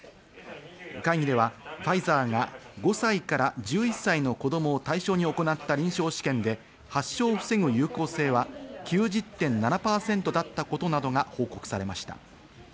会議ではファイザーが５歳から１１歳の子供を対象に行った臨床試験で発症を防ぐ有効性は９０．７％だったことなどが報告されました。